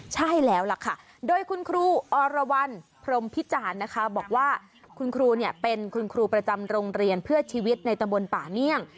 ใช่แล้วล่ะค่ะโดยคุณครูอรวรรณพรมพิจารณ์นะคะบอกว่าคุณครูเนี่ยเป็นคุณครูประจำโรงเรียนเพื่อชีวิตในตะบนป่าเมี่ยง